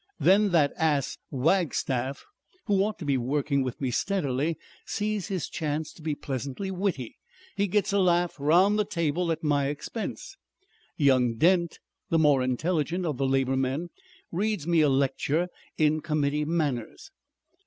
Then that ass, Wagstaffe, who ought to be working with me steadily, sees his chance to be pleasantly witty. He gets a laugh round the table at my expense. Young Dent, the more intelligent of the labour men, reads me a lecture in committee manners.